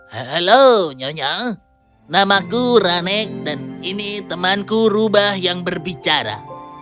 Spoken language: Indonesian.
halo nyonya namaku rane dan ini temanku rubah yang berbicara